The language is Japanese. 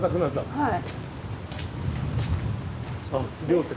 はい。